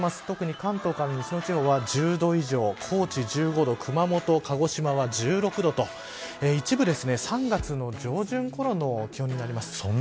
特に関東から西の地方は１０度以上高知１５度熊本、鹿児島は１６度と一部、３月の上旬ごろの気温になります。